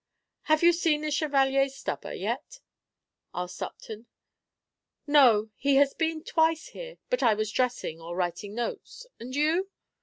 "Have you seen the Chevalier Stubber yet?" asked Upton. "No; he has been twice here, but I was dressing, or writing notes. And you?"